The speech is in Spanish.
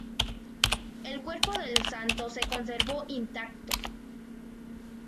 El cuerpo del santo se conservó intacto.